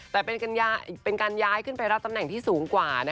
แต่เป็นการย้ายขึ้นไปรับตำแหน่งที่สูงกว่า